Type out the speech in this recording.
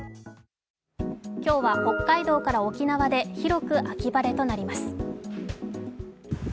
今日は北海道から沖縄で広く秋晴れとなります。